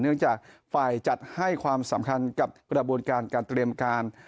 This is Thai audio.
จากฝ่ายจัดให้ความสำคัญกับกระบวนการการเตรียมการ